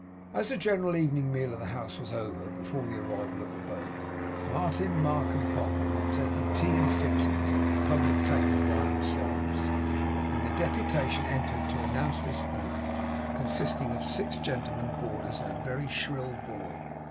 As the general evening meal of the house was over before the arrival of the boat, Martin, Mark, and Pogram were taking tea and fixings at the public table by themselves, when the deputation entered to announce this honour; consisting of six gentlemen boarders and a very shrill boy.